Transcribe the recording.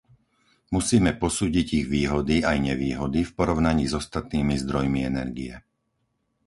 Musíme posúdiť ich výhody aj nevýhody v porovnaní s ostatnými zdrojmi energie.